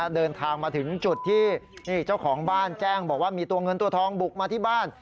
เดินทางมาถึงจุดที่เจ้าของบ้านแจ้งบอกว่ามีตัวเงินตัวทองบุกมาที่บ้าน